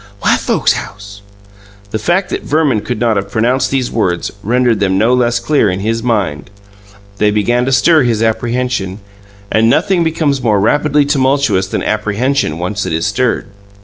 WHITE FOLKS' HOUSE! The fact that Verman could not have pronounced these words rendered them no less clear in his mind; they began to stir his apprehension, and nothing becomes more rapidly tumultuous than apprehension once it is stirred.